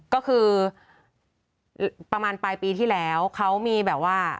ก็คือประมาณปลายปีที่แล้วเขามีแบบว่า